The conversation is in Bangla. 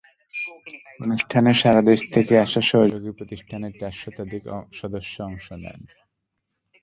অনুষ্ঠানে সারা দেশে থেকে আসা সহযোগী প্রতিষ্ঠানের চার শতাধিক সদস্য অংশ নেন।